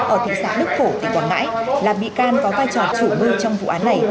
ở thị xã đức phổ tỉnh quảng ngãi là bị can có vai trò chủ mưu trong vụ án này